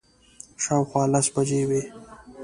شاوخوا لس بجې وې.